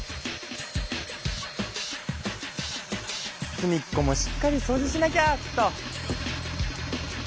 すみっこもしっかりそうじしなきゃっと。